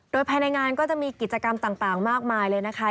โดยภายในงานก็จะมีกิจกรรมต่างมากมายเลยนะคะ